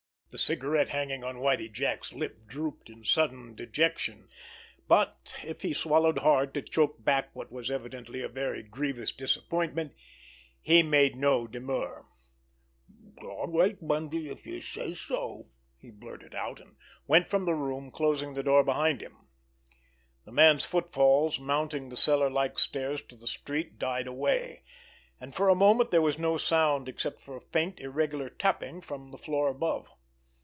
The cigarette hanging on Whitie Jack's lip drooped in sudden dejection; but if he swallowed hard to choke back what was evidently a very grievous disappointment, he made no demur. "All right, Bundy, if youse says so," he blurted out, and went from the room, closing the door behind him. The man's footfalls mounting the cellar like stairs to the street died away, and for a moment there was no sound except for a faint, irregular tapping from the floor above.